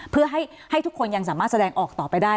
เพื่อให้ทุกคนยังสามารถแสดงออกต่อไปได้